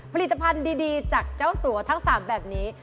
ผลิตภัณฑ์ดีจากเจ้าสัวทั้ง๓แบบนี้